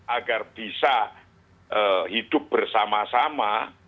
agar bisa hidup bersama sama